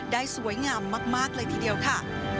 ได้สวยงามมากเลยทีเดียวค่ะ